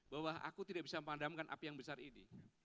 bahwa aku tidak bisa memadamkan api yang besar ini